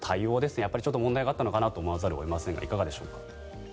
やっぱりちょっと問題があったかなと思わざるを得ませんがいかがでしょうか。